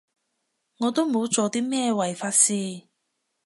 我都冇做啲咩違法事